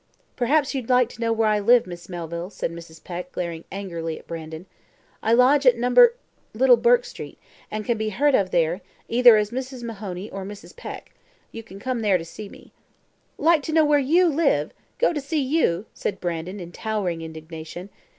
"Perhaps you'd like to know where I live, Miss Melville," said Mrs. Peck, glaring angrily at Brandon. "I lodge at No. , Little Bourke Street, and can be heard of there, either as Mrs. Mahoney or Mrs. Peck. You can come there to see me." "Like to know where YOU live go to see YOU!" said Brandon, in towering indignation.